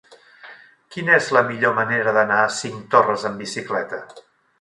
Quina és la millor manera d'anar a Cinctorres amb bicicleta?